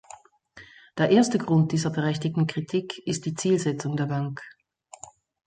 Der erste Grund dieser berechtigten Kritik ist die Zielsetzung der Bank.